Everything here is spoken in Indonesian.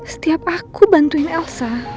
setiap aku bantuin elsa